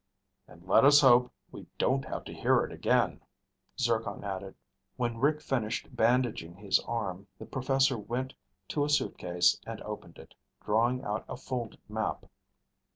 "And let us hope we don't have to hear it again," Zircon added. When Rick finished bandaging his arm, the professor went to a suitcase and opened it, drawing out a folded map.